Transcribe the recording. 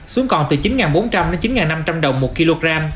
xuống còn từ chín bốn trăm linh đến chín năm trăm linh đồng một kg